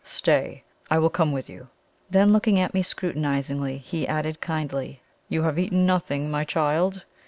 Stay! I will come with you." Then looking at me scrutinizingly, he added kindly: "You have eaten nothing, my child?